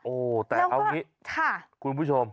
โอ้แต่เอางี้คุณผู้ชม